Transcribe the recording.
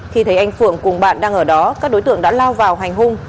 khi thấy anh phượng cùng bạn đang ở đó các đối tượng đã lao vào hành hung